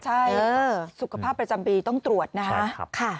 ใช่สุขภาพประจำปีต้องตรวจนะคะ